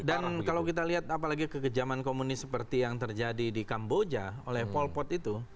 dan kalau kita lihat apalagi kekejaman komunis seperti yang terjadi di kamboja oleh pol pot itu